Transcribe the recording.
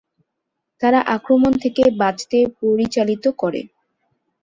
তারা আক্রমণ থেকে বাঁচতে পরিচালিত করে।